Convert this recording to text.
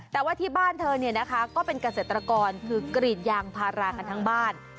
แต่ว่าที่บ้านเธอเนี่ยนะคะก็เป็นเกษตรกรคือกรีดยางพารากันทั้งบ้าน